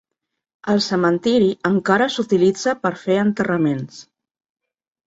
El cementiri encara s'utilitza per fer enterraments.